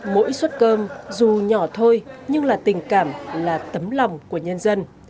mỗi suất cơm dù nhỏ thôi nhưng là tình cảm là tấm lòng của nhân dân